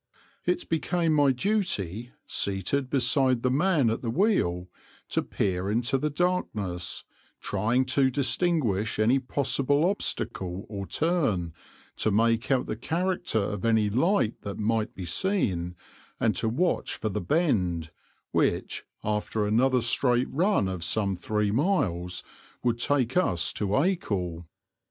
It became my duty, seated beside the man at the wheel, to peer into the darkness, trying to distinguish any possible obstacle or turn, to make out the character of any light that might be seen, and to watch for the bend, which, after another straight run of some three miles, would take us to Acle.